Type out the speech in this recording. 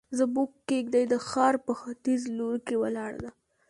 زموږ کيږدۍ د ښار په ختيز لور کې ولاړه ده.